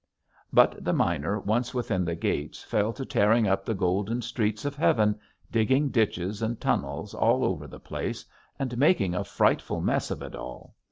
But the miner once within the gates fell to tearing up the golden streets of heaven, digging ditches and tunnels all over the place and making a frightful mess of it all.